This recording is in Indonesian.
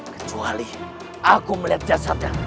kecuali aku melihat jasadnya